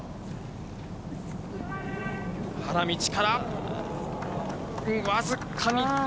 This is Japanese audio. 花道から、僅かに。